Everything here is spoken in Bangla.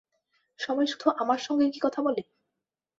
সবাই শুধু আমার সঙ্গে কি কথা বলে?